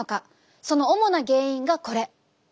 その主な原因がこれ。